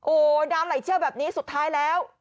โอ้โหน้ำไหลเชี่ยวแบบนี้สุดท้ายแล้ว